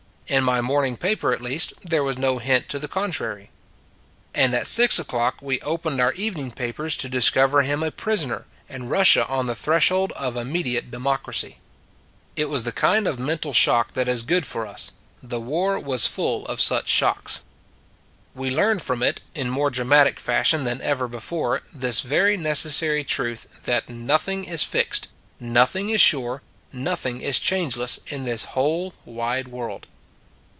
In my morning paper at least, there was no hint to the contrary. And at six o clock we opened our eve ning papers to discover him a prisoner, and Russia on the threshold of immediate de mocracy. It was the kind of mental shock that is good for us: the war was full of such shocks. 58 A Moving Picture World 59 We learned from it, in more dramatic fashion than ever before, this very neces sary truth that nothing is fixed, nothing is sure, nothing is changeless, in this whole wide world.